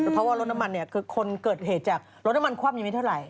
เพราะว่ารถน้ำมันเนี่ยคือคนเกิดเหตุจากรถน้ำมันคว่ำยังไม่เท่าไหร